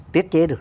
tiết chế được